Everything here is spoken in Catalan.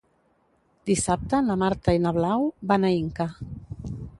Dissabte na Marta i na Blau van a Inca.